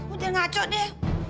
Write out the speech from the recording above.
udah ngaco deh